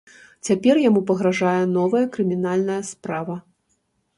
Цяпер яму пагражае новая крымінальная справа.